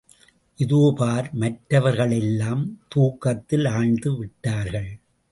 இதோ பார் மற்றவர்களெல்லாம் தூக்கத்தில் ஆழ்ந்து விட்டார்கள்.